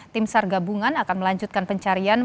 tim sar gabungan akan melanjutkan pencarian